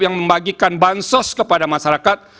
yang membagikan bansos kepada masyarakat